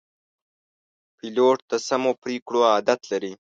پیلوټ د سمو پرېکړو عادت لري.